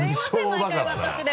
毎回私で！